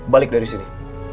balik dari sini